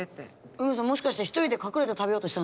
ウメさんもしかして１人で隠れて食べようとしたんすか？